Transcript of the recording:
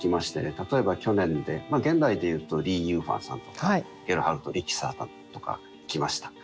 例えば去年現代で言うとリ・ウファンさんとかゲルハルト・リヒターさんとか行きました。